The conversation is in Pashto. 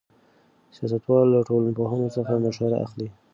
سیاستوال له ټولنپوهانو څخه مشوره اخلي.